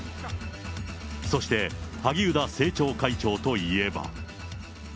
そして、萩生田政調会長といえば。